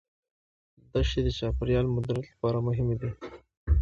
دښتې د چاپیریال مدیریت لپاره مهمې دي.